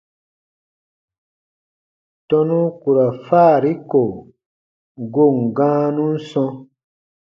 Tɔnu ku ra faari ko goon gãanun sɔ̃.